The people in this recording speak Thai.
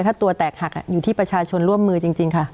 ถ้าตัวแตกหักอยู่ที่ประชาชนร่วมมือจริงค่ะ